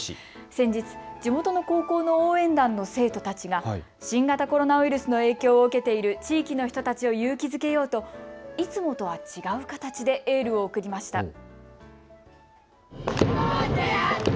先日、地元の高校の応援団の生徒たちが新型コロナウイルスの影響を受けている地域の人たちを勇気づけようといつもとは違う形でエールを送りました。